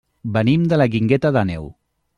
Venim de la Guingueta d'Àneu.